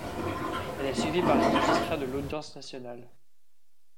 Elle est suivie par les magistrats de l'Audience nationale.